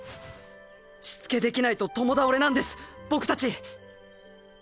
しつけできないと共倒れなんです僕たち！